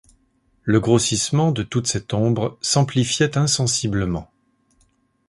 Le grossissement de toute cette ombre s’amplifiait insensiblement.